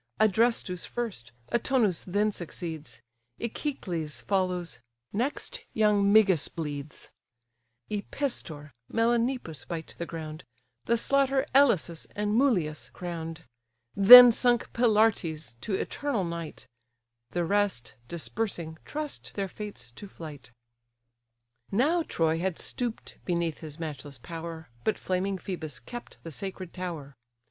Adrestus first; Autonous then succeeds; Echeclus follows; next young Megas bleeds, Epistor, Melanippus, bite the ground; The slaughter, Elasus and Mulius crown'd: Then sunk Pylartes to eternal night; The rest, dispersing, trust their fates to flight. Now Troy had stoop'd beneath his matchless power, But flaming Phœbus kept the sacred tower.